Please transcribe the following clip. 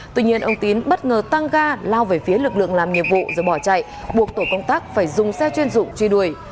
tuy nhiên ông tín bất ngờ tăng ga lao về phía lực lượng làm nhiệm vụ rồi bỏ chạy buộc tổ công tác phải dùng xe chuyên dụng truy đuổi